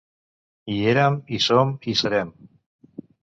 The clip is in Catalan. Hi érem, hi som, hi serem.